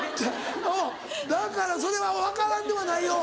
うんだからそれは分からんではないよ。